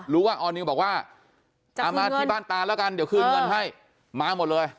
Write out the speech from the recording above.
ออนิวบอกว่าเอามาที่บ้านตาแล้วกันเดี๋ยวคืนเงินให้มาหมดเลย